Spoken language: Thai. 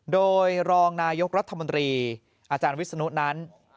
โดยรองนายกรัฐมนตรีอาจารย์วิศนุนั้น